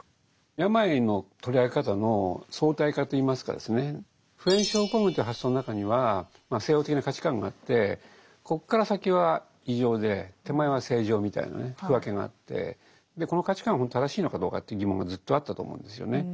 病の取り上げ方の相対化といいますか普遍症候群という発想の中にはまあ西欧的な価値観があってここから先は異常で手前は正常みたいなね区分けがあってこの価値観はほんと正しいのかどうかという疑問がずっとあったと思うんですよね。